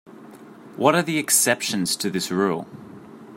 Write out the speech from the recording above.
What are the exceptions to this rule?